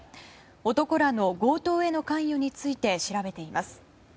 男らの強盗への関与について調べています。